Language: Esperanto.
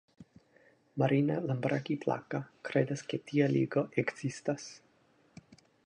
Marina Lambraki-Plaka kredas ke tia ligo ekzistas.